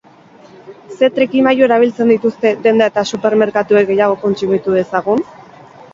Ze trikimailu erabiltzen dituzte denda eta supermerkatuek gehiago kontsumitu dezagun?